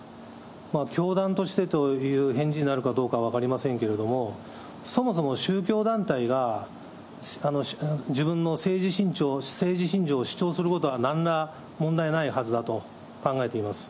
教団としてという返事になるかどうか分かりませんけれども、そもそも、宗教団体が、自分の政治信条を主張することはなんら問題ないはずだと考えています。